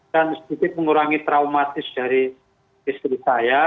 dan sedikit mengurangi traumatis dari istri saya